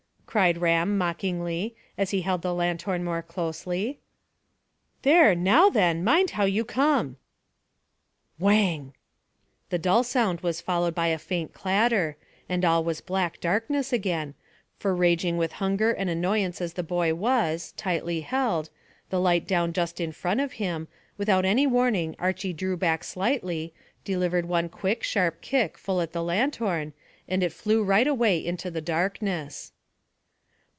cried Ram mockingly, as he held the lanthorn more closely. "There, now then, mind how you come." Whang! The dull sound was followed by a faint clatter, and all was black darkness again, for raging with hunger and annoyance as the boy was, tightly held, the light down just in front of him, without any warning Archy drew back slightly, delivered one quick, sharp kick full at the lanthorn, and it flew right away into the darkness.